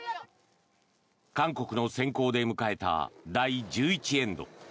韓国の先攻で迎えた第１１エンド。